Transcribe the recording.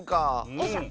よいしょ。